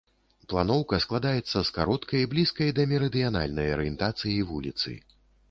Планоўка складаецца з кароткай, блізкай да мерыдыянальнай арыентацыі вуліцы.